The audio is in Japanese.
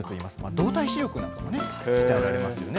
動体視力もね、鍛えられますよね。